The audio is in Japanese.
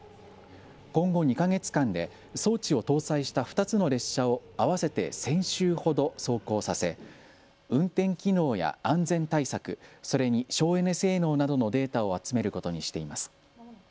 今後２か月間で装置を搭載した２つの列車を合わせて１０００周ほど走行させ運転機能や安全対策、それに省エネ性能などのデータを集めることにしています。